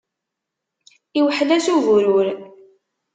Iwḥel-as uburur.